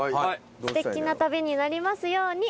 すてきな旅になりますように。